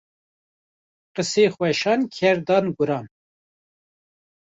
Qîsexweşan ker dan guran.